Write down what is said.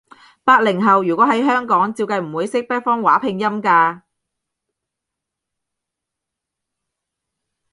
八零後，如果喺香港，照計唔會識北方話拼音㗎